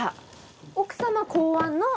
奥様考案の。